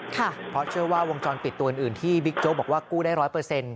เพราะเชื่อว่าวงจรปิดตัวอื่นที่บิ๊กโจ๊กบอกว่ากู้ได้ร้อยเปอร์เซ็นต